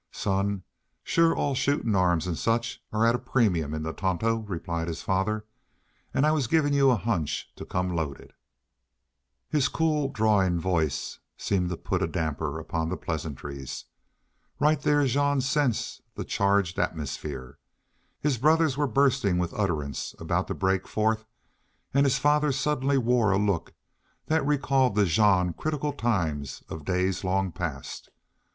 "Son, shore all shootin' arms an' such are at a premium in the Tonto," replied his father. "An' I was givin' you a hunch to come loaded." His cool, drawling voice seemed to put a damper upon the pleasantries. Right there Jean sensed the charged atmosphere. His brothers were bursting with utterance about to break forth, and his father suddenly wore a look that recalled to Jean critical times of days long past.